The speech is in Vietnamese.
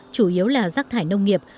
chủ yếu là rác thải nông nghiệp